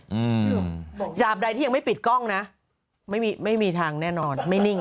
อืมดาบใดที่ยังไม่ปิดกล้องนะไม่มีไม่มีทางแน่นอนไม่นิ่ง